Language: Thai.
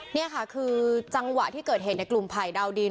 นี่ค่ะคือจังหวะที่เกิดเหตุในกลุ่มไผ่ดาวดิน